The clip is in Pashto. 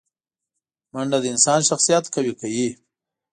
منډه د انسان شخصیت قوي کوي